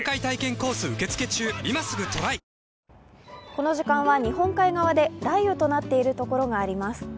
この時間は日本海側で雷雨となっている所があります。